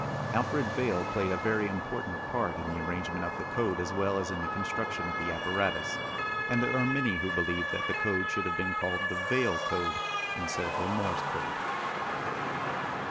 Alfred Vail played a very important part in the arrangement of the code as well as in the construction of the apparatus, and there are many who believe that the code should have been called the Vail code instead of the Morse code.